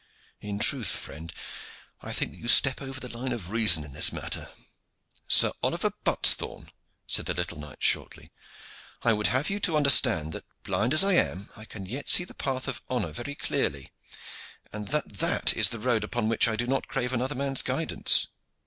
In truth, friend, I think that you step over the line of reason in this matter." "Sir Oliver Buttesthorn," said the little knight shortly, "I would have you to understand that, blind as I am, I can yet see the path of honor very clearly, and that that is the road upon which I do not crave another man's guidance."